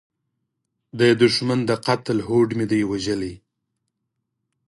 د دوښمن د قتل هوډ مې دی وژلی